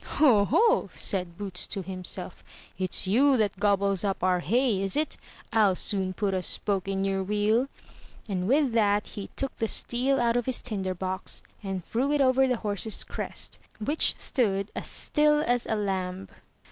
"Ho, ho!'' said Boots to himself; it's you that gobbles up our hay, is it? FU soon put a spoke in your wheel;" and with that he took the steel out of his tinder box, and threw it over the horse's crest, which stood as still as a lamb.